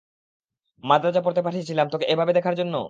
মাদ্রাজ পড়তে পাঠিয়েছিলাম, তোকে এভাবে দেখার জন্য?